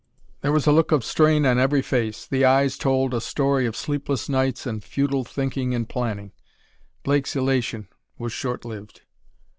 There was a look of strain on every face; the eyes told a story of sleepless nights and futile thinking and planning. Blake's elation was short lived.